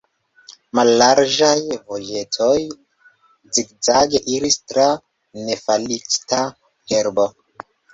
Mallarĝaj vojetoj zigzage iris tra nefalĉita herbo.